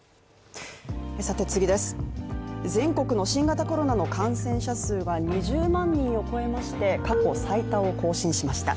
全国の新型コロナの感染者数は２０万人を超えまして、過去最多を更新しました。